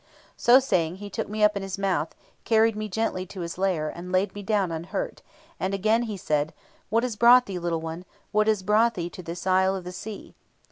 So saying, he took me up in his mouth, carried me gently to his lair, and laid me down unhurt; and again he said, 'What has brought thee, little one, what has brought thee to this isle of the sea?'